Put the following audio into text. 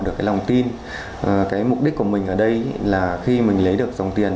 được cái lòng tin cái mục đích của mình ở đây là cái mục đích của mình ở đây là cái mục đích của mình